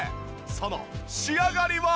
その仕上がりは？